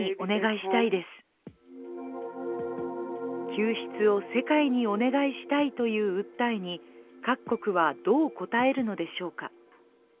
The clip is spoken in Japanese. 救出を世界にお願いしたいという訴えに各国はどう応えるのでしょうか。